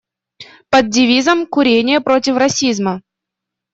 Под девизом: «Курение против расизма».